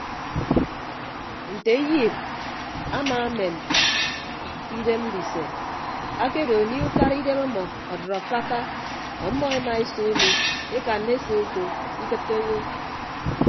Nte iyiip amaamen idem ndise akedo anie ukaraidem ọmọ ọdʌd afakka ọmmọ emaese umi ekanna ese uko ikịtte owo.